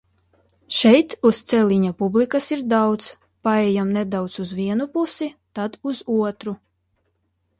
Šeit uz celiņa publikas ir daudz, paejam nedaudz uz vienu pusi, tad uz otru.